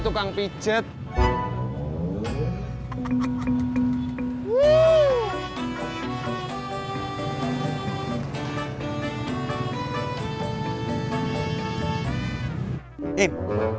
tukang pijet wuih